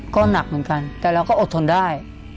ก็หนักเหมือนกันแต่เราก็อดทนได้